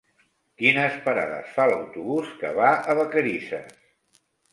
Quines parades fa l'autobús que va a Vacarisses?